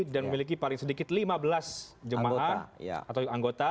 dan memiliki paling sedikit lima belas jemaah atau anggota